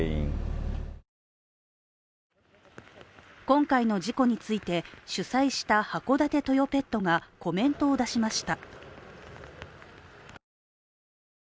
今回の事故について主催した函館トヨペットがコメントを出しました。